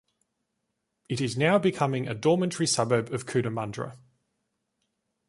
It is now becoming a dormitory suburb of Cootamundra.